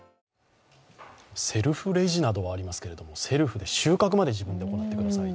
セルフレジなどはありますが、セルフで収穫まで行ってしまう。